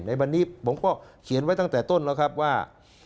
ในวันนี้ผมก็เขียนไว้ตั้งแต่ต้นแล้วครับว่า